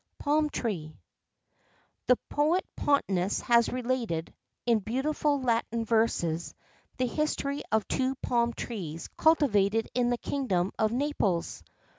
PALM TREE. The poet Pontanus has related, in beautiful Latin verses, the history of two palm trees cultivated in the kingdom of Naples.